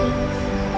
terima kasih ray